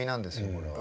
これは。